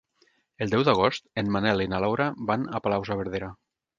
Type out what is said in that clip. El deu d'agost en Manel i na Laura van a Palau-saverdera.